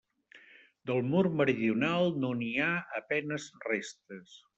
Del mur meridional no n'hi ha a penes restes.